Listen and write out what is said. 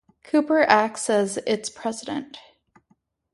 Cooper acts as its president.